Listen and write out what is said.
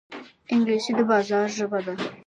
انګلیسي د بازار ژبه ده